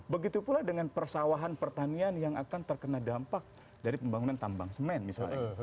begitu pula dengan persawahan pertanian yang akan terkena dampak dari pembangunan tambang semen misalnya